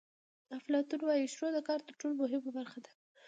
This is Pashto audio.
افلاطون وایي شروع د کار تر ټولو مهمه برخه ده.